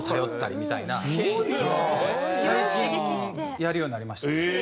やるようになりました。